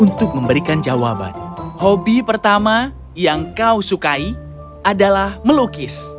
untuk memberikan jawaban hobi pertama yang kau sukai adalah melukis